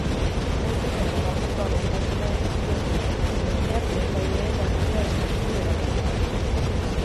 Nahiz eta erabateko adostasuna ez lortu neurriak lehenbailehen hartzea eskatu du erakundeak.